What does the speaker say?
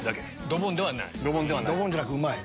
ドボンではない。